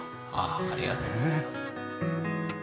ありがとうございます。